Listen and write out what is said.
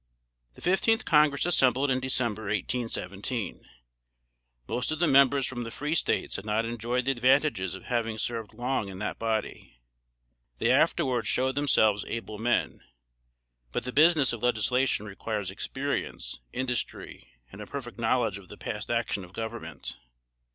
The fifteenth Congress assembled in December, 1817. Most of the members from the free States had not enjoyed the advantages of having served long in that body. They afterwards showed themselves able men; but the business of legislation requires experience, industry, and a perfect knowledge of the past action of government.